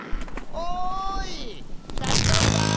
おいしゃしょうさん！